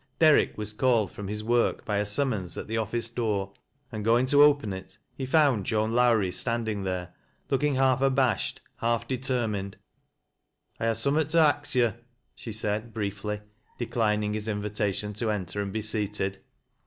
Derrick was called from his work by a summons al Ike oflice door, and going to open it, he found Joan Low lie standing there, looking half abashed, half determined " I ha' summat to ax yo'," she said briefly, declining his invitation to enter and be seated.